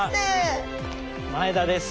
前田です。